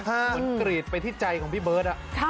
เหมือนกรีดไปที่ใจของพี่เบิร์ต